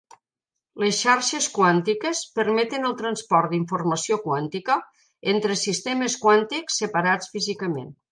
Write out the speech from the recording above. Les xarxes quàntiques permeten el transport d'informació quàntica entre sistemes quàntics separats físicament.